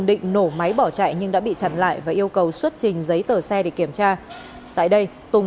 định nổ máy bỏ chạy nhưng đã bị chặn lại và yêu cầu xuất trình giấy tờ xe để kiểm tra tại đây tùng